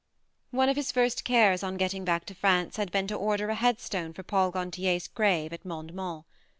One of his first cares on getting back to France had been to order a head stone for Paul Gantier's grave at Mondement.